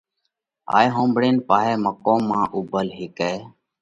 هائي ۿومڀۯينَ پاهئہ مقوم مانه اُوڀل هيڪئہ